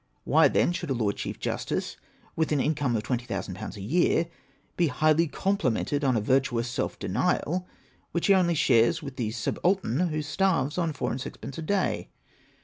Why then should a Lord Chief Justice, with an income of twenty thousand pounds a year, be highly complimented on a virtuous self denial, which he only shares with the subaltern who starves on four and six pence a day